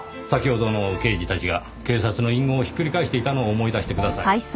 先ほどの刑事たちが警察の隠語をひっくり返していたのを思い出してください。